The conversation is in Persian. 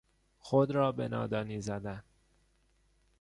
خود را به نادانی زدن